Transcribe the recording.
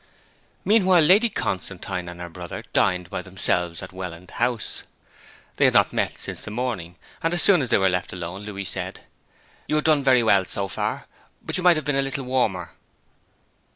Meanwhile Lady Constantine and her brother dined by themselves at Welland House. They had not met since the morning, and as soon as they were left alone Louis said, 'You have done very well so far; but you might have been a little warmer.'